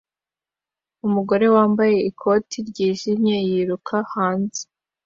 Umugore wambaye ikoti ryijimye yiruka hanze